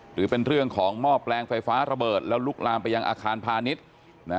หรือเป็นเรื่องของหม้อแปลงไฟฟ้าระเบิดแล้วลุกลามไปยังอาคารพาณิชย์